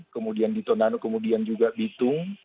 kemudian di tonano kemudian juga bitung